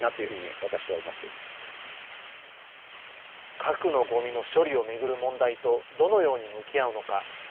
核のごみの処理を巡る問題とどのように向き合うのか。